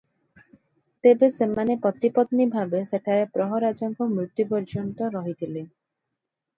ତେବେ ସେମାନେ ପତି-ପତ୍ନୀ ଭାବେ ସେଠାରେ ପ୍ରହରାଜଙ୍କ ମୃତ୍ୟୁ ପର୍ଯ୍ୟନ୍ତ ରହିଥିଲେ ।